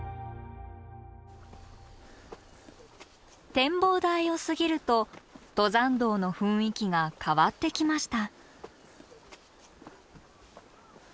展望台を過ぎると登山道の雰囲気が変わってきました